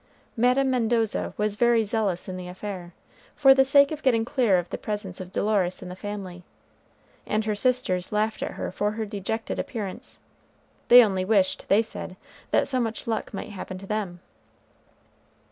Madame Mendoza was very zealous in the affair, for the sake of getting clear of the presence of Dolores in the family, and her sisters laughed at her for her dejected appearance. They only wished, they said, that so much luck might happen to them.